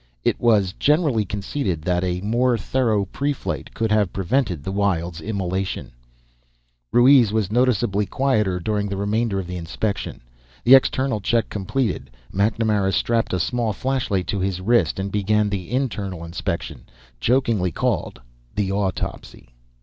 It was generally conceded that a more thorough preflight could have prevented the Wyld's immolation. Ruiz was noticeably quieter during the remainder of the inspection. The external check completed, MacNamara strapped a small flashlight to his wrist and began the internal inspection, jokingly called the autopsy.